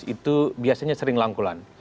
itu biasanya sering langkulan